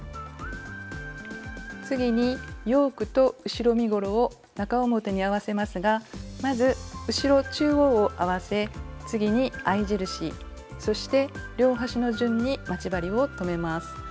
次にヨークと後ろ身ごろを中表に合わせますがまず後ろ中央を合わせ次に合い印そして両端の順に待ち針を留めます。